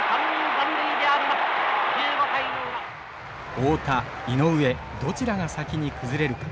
太田井上どちらが先に崩れるか。